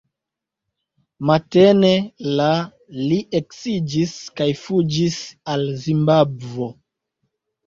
Matene la li eksiĝis kaj fuĝis al Zimbabvo.